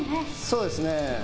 そうですね。